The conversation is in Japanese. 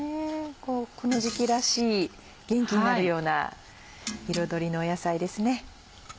この時期らしい元気になるような彩りの野菜ですね。